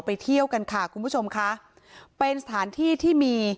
เที่ยวกันค่ะคุณผู้ชมค่ะเป็นสถานที่ที่มี